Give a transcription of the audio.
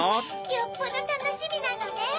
よっぽどたのしみなのね。